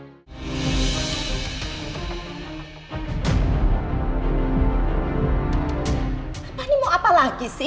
bapak ini mau apa lagi sih